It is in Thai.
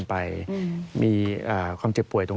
สวัสดีค่ะที่จอมฝันครับ